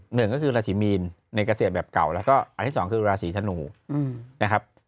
หนึ่งก็คือราศีมีนในเกษตรแบบเก่าแล้วก็อันที่สองคือราศีธนูนะครับ